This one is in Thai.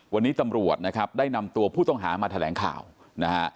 วันนี้ตำรวจนะครับได้นำตัวผู้ต้องหามาแถลงข่าวนะฮะ